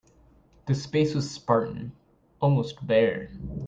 The space was spartan, almost bare.